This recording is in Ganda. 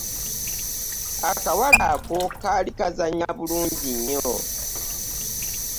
Akawala ako kaali kazanya bulungi nnyo.